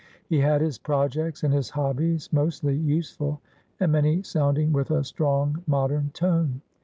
He had his projects and his hobbies, mostly useful, and many sounding with a strong modem tone.